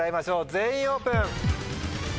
全員オープン！